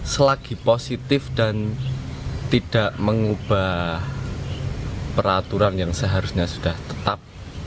selagi positif dan tidak mengubah peraturan yang seharusnya sudah tetap